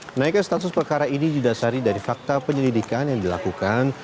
menaikkan status perkara ini didasari dari fakta penyelidikan yang dilakukan